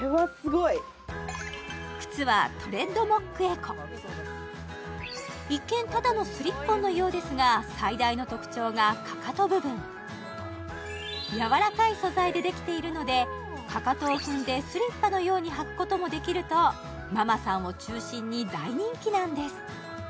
靴は一見ただのスリッポンのようですがやわらかい素材でできているのでかかとを踏んでスリッパのように履くこともできるとママさんを中心に大人気なんです